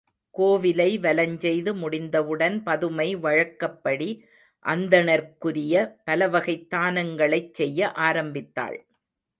கோவிலை வலஞ் செய்து முடிந்தவுடன் பதுமை வழக்கப்படி அந்தணர்க்குரிய பலவகைத் தானங்களைச் செய்ய ஆரம்பித்தாள்.